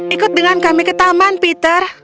ikut dengan kami ke taman peter